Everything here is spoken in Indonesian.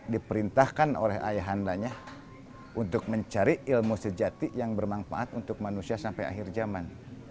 diperintahkan oleh ayahandanya untuk mencari ilmu sejati yang bermanfaat untuk manusia sampai akhir zaman